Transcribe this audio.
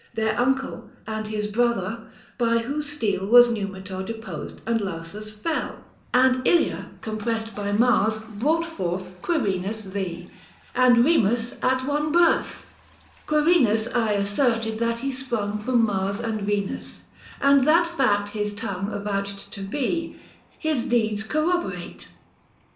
Their uncle and his brother, by whose steel Was Numitor deposed and Lausus fell : And Ilia compressed by Mars brought forth Quirinus Thee ! and Eemus at one birth. 60 Quirinus aye asserted that he sprung From Mars and Venus ; and that fact his tongue Avouched to be — his deeds corroborate.